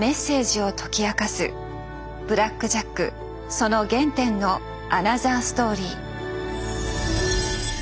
その原点のアナザーストーリー。